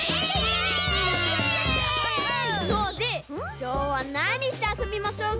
きょうはなにしてあそびましょうか？